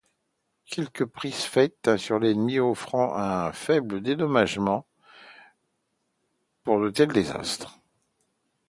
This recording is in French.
Quelques prises faites sur l'ennemi offraient un faible dédommagement pour de tels désastres.